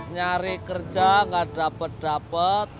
nyari kerja ga dapet dapet